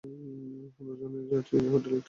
রাজধানীর র্যাডিসন হোটেলে এটি অনুষ্ঠিত হবে।